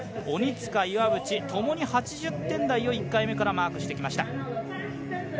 鬼塚、岩渕ともに８０点台を１回目からマークしてきました。